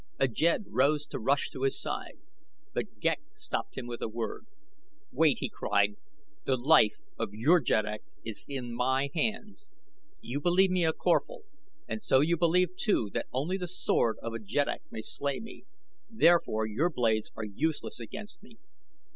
A jed rose to rush to his side; but Ghek stopped him with a word. "Wait!" he cried. "The life of your jeddak is in my hands. You believe me a Corphal and so you believe, too, that only the sword of a jeddak may slay me, therefore your blades are useless against me.